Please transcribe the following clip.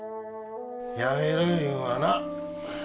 やめるいうんはな